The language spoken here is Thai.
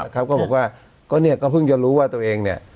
ครับก็บอกว่าก็เนี้ยก็เพิ่งจะรู้ว่าตัวเองเนี้ย